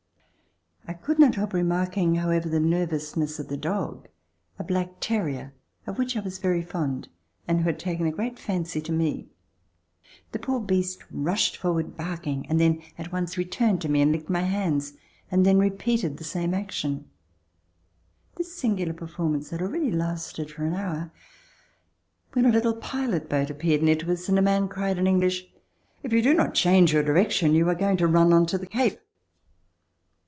I could not help remarking, however, the nervousness of the dog — a black terrier, of which I was very fond and who had taken a great fancy to me. The poor beast rushed forward barking and then at once returned to me and licked my hands, and then repeated the same action. This singular per formance had already lasted for an hour when a little pilot boat appeared near to us and a man cried in English: "If you do not change your direction, you are going to run onto the Cape."